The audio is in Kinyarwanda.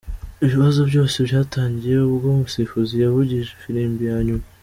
Ibibazo byose byatangiye ubwo umusifuzi yavugije ifirimbi ya nyuma.